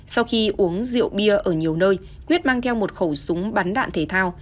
sau khi uống rượu bia ở nhiều nơi quyết mang theo một khẩu súng bắn đạn thể thao